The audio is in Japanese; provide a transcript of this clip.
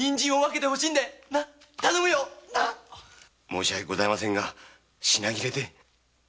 申し訳ありませんが品切れで。